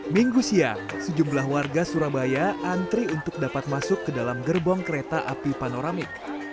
minggu siang sejumlah warga surabaya antri untuk dapat masuk ke dalam gerbong kereta api panoramik